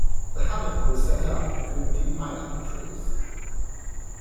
The hammock was set up between the two pineapple trees.